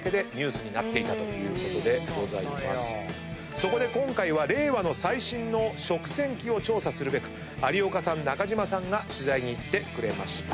そこで今回は令和の最新の食洗機を調査するべく有岡さん中島さんが取材に行ってくれました。